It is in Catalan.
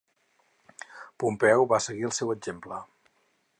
Pompeu va seguir el seu exemple.